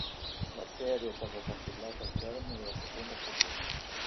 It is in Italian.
La serie è stata cancellata al termine della seconda stagione.